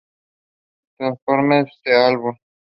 Transformers: The Album